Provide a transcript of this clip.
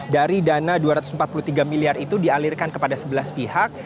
dari dana dua ratus empat puluh tiga miliar itu dialirkan kepada sebelas pihak